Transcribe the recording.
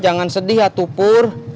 jangan sedih ya pur